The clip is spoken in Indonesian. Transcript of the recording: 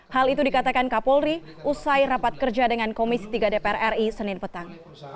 hal itu dikatakan kapolri usai rapat kerja dengan komisi tiga dpr ri senin petang